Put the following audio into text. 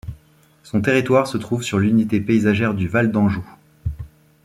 Son territoire se trouve sur l'unité paysagère du Val d'Anjou.